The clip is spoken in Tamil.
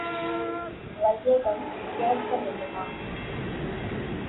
வையகம் சிறக்க வேண்டுமா?